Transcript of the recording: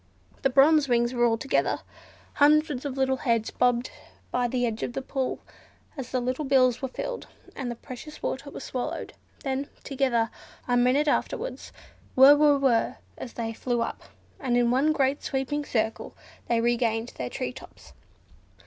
The Bronze Wings were all together. Hundreds of little heads bobbed by the edge of the pool, as the little bills were filled, and the precious water was swallowed; then, together, a minute afterwards, "whrr, whrr, whrr," up they flew, and in one great sweeping circle they regained their tree tops.